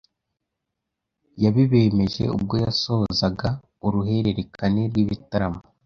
yabibemeje ubwo yasozaga uruhererekane rw’ibitaramo